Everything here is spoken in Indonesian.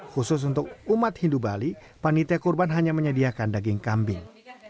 khusus untuk umat hindu bali panitia kurban hanya menyediakan daging kambing